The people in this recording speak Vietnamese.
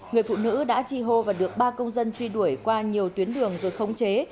người phụ nữ đã chi hô và được ba công dân truy đuổi qua nhiều tuyến đường rồi khống chế